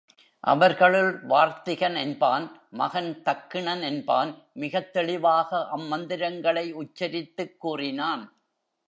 அவர்களுள் வார்த்திகன் என்பான் மகன் தக்கிணன் என்பான் மிகத் தெளிவாக அம் மந்திரங்களை உச்சரித்துக் கூறினான்.